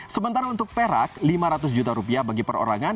sementara untuk perak rp lima ratus juta bagi perorangan